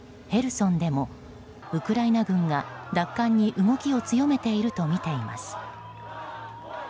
ヘルソンでもウクライナ軍が奪還に動きを強めているとみています。